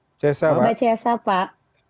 mbak cesa pak